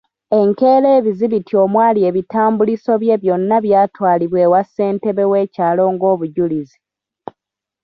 Enkeera ebizibiti omwali ebitambuliiso bye byonna byatwalibwa ewa ssentebe w'ekyalo ng'obujulizi.